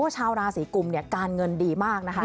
ชาวราศีกุมเนี่ยการเงินดีมากนะคะ